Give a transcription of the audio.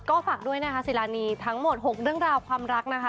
ก็ฝากด้วยนะคะศิลานีทั้งหมด๖เรื่องราวความรักนะคะ